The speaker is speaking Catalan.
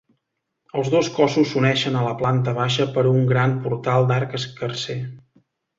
Els dos cossos s'uneixen a la planta baixa per un gran portal d'arc escarser.